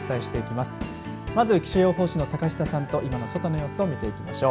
まず気象予報士の坂下さんと今の外の様子を見ていきましょう。